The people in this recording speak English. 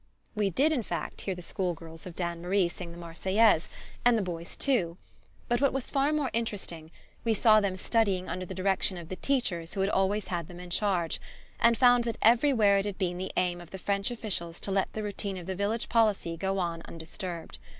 We did, in fact, hear the school girls of Dannemarie sing the Marseillaise and the boys too but, what was far more interesting, we saw them studying under the direction of the teachers who had always had them in charge, and found that everywhere it had been the aim of the French officials to let the routine of the village policy go on undisturbed.